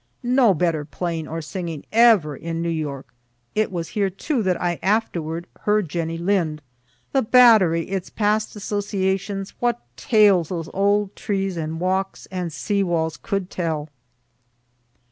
No better playing or singing ever in New York. It was here too I afterward heard Jenny Lind. (The Battery its past associations what tales those old trees and walks and sea walls could tell!)